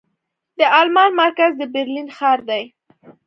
د المان مرکز د برلين ښار دې.